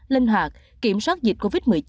linh hoạt kiểm soát dịch covid một mươi chín